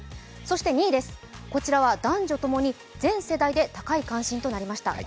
そして２位、こちらは男女ともに全世代で高い関心となりました。